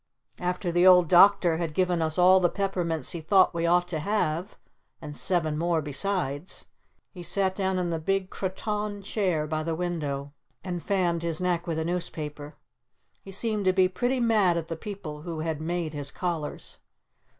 After the Old Doctor had given us all the peppermints he thought we ought to have and seven more besides, he sat down in the big cretonne chair by the window, and fanned his neck with a newspaper. He seemed to be pretty mad at the people who had made his collars.